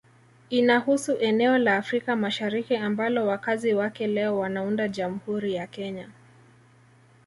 Inahusu eneo la Afrika Mashariki ambalo wakazi wake leo wanaunda Jamhuri ya Kenya